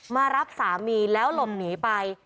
มารับสามีแล้วหลบหนีไป